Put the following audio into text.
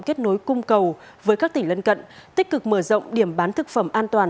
kết nối cung cầu với các tỉnh lân cận tích cực mở rộng điểm bán thực phẩm an toàn